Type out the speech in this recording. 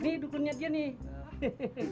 nih dukunnya dia nih